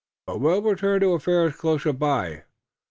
But we'll return to affairs closer by.